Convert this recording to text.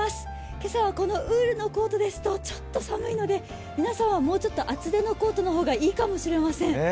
今朝はこのウールのコートですとちょっと寒いので皆さんはもうちょっと厚手のコートの方がいいかもしれません。